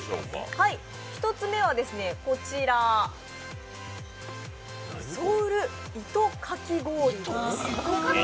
１つ目はこちら、糸かき氷です。